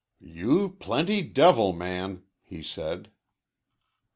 "You plenty devil man," he said.